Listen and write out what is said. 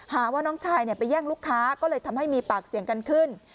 หาว่าน้องชายไปแย่งลูกค้าก็เลยทำให้มีปากเสียงกันขึ้น